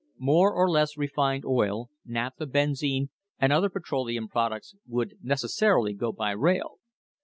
More or less refined oil naphtha, benzine, and other petro leum products would necessarily go by rail.